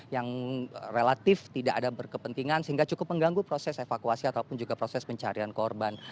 yang relatif tidak ada berkepentingan sehingga cukup mengganggu proses evakuasi ataupun juga proses pencarian korban